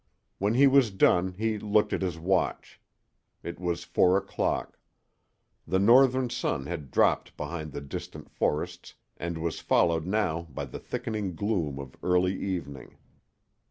When he was done he looked at his watch. It was four o'clock. The northern sun had dropped behind the distant forests and was followed now by the thickening gloom of early evening.